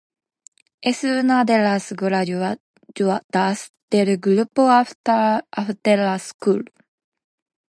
Es una de las graduadas del grupo After School.